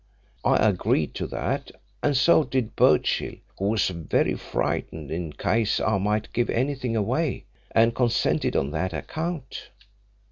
I agreed to that, and so did Birchill, who was very frightened in case I might give anything away, and consented on that account.